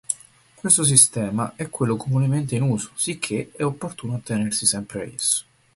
Questo sistema è quello comunemente in uso, sicché è opportuno attenersi sempre a esso.